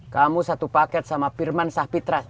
kamu satu paket sama firman sapitra